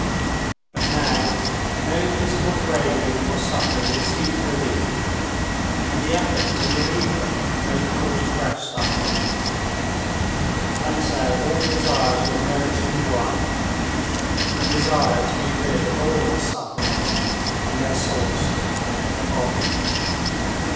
But now no physical craving or suffering received relief, and the effort to relieve them only caused fresh suffering. And so all desires were merged in one—the desire to be rid of all his sufferings and their source, the body.